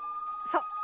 そう。